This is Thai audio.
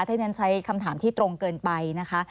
ถ้าฉันใช้คำถามที่ตรงเกินไปนะคะ